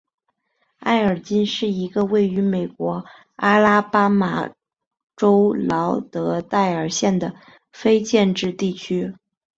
埃尔金是一个位于美国阿拉巴马州劳德代尔县的非建制地区。